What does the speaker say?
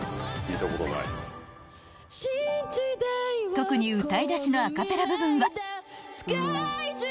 ［特に歌いだしのアカペラ部分は］